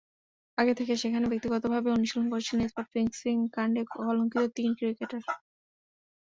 আগে থেকে সেখানে ব্যক্তিগতভাবে অনুশীলন করছিলেন স্পট ফিক্সিং-কাণ্ডে কলঙ্কিত তিন ক্রিকেটার।